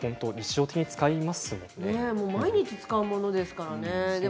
毎日使うものですからね。